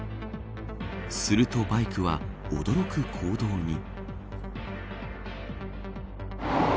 すると、バイクは驚く行動に。